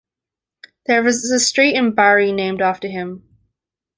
There is a street in Barrie named after him.